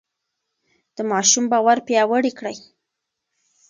د ماشوم باور پیاوړی کړئ.